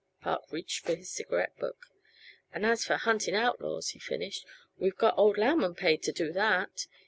Park reached for his cigarette book. "And as for hunting outlaws," he finished, "we've got old Lauman paid to do that.